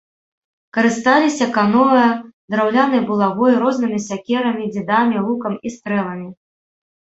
Карысталіся каноэ, драўлянай булавой, рознымі сякерамі, дзідамі, лукам і стрэламі.